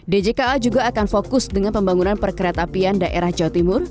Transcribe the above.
djka juga akan fokus dengan pembangunan perkereta apian daerah jawa timur